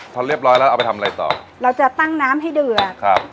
พอเรียบร้อยแล้วเอาไปทำอะไรต่อเราจะตั้งน้ำให้เดือครับ